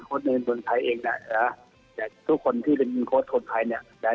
โค้ดเมืองเตือนไทยเองทุกคนที่เป็นโค้ดเตือนไทย